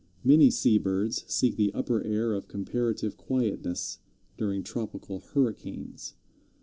Many seabirds seek the upper air of comparative quietness during tropical hurricanes.